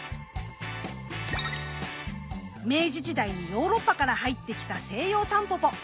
明治時代にヨーロッパから入ってきたセイヨウタンポポ。